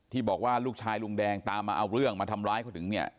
ที่บอกว่าลูกชายลุงแดงตามมาเอาเรื่องมาทำร้ายเขาถึงเนี่ย